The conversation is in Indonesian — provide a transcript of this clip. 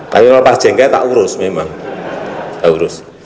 tapi pak jengkai tak urus memang tak urus